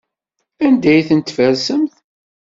Anda ay tent-tfersemt?